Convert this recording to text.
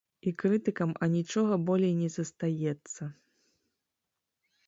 І крытыкам анічога болей не застаецца.